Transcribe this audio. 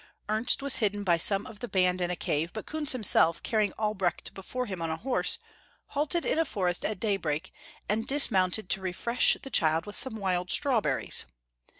Ernst was hidden by some of the band in a cave, but Kunz himself, carrying Albrecht before him on his horse, halted in a forest at daybreak, and dismounted to refresh the child with some wild strawberries.